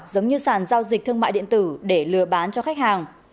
giống như sản giao dịch thương mại điện tử để lừa bán cho khách hàng